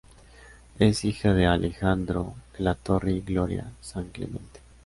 Es hija de Alejandro de la Torre y Gloria Sanclemente.